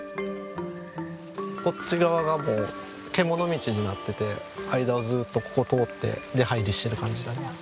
こっち側がもう獣道になってて間をずっとここ通って出入りしている感じになります。